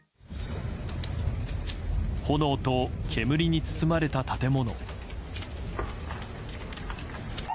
炎と煙に包まれた建物。